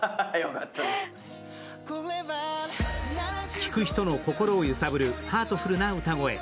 聴く人の心を揺さぶるハートフルな歌声。